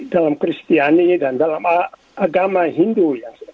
dalam kristiani dan dalam agama hindu